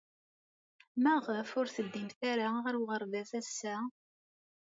Maɣef ur teddimt ara ɣer uɣerbaz ass-a?